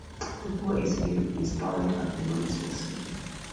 The poet is buried at the municipal cemetery.